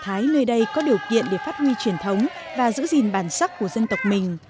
nhờ vậy bà con đồng bào dân tộc thái nơi đây có điều kiện để phát huy truyền thống và giữ gìn bản sắc của dân tộc mình